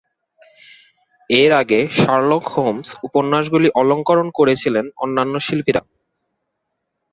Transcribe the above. এর আগে Sherlock Holmes উপন্যাসগুলি অলংকরণ করেছিলেন অন্যান্য শিল্পীরা।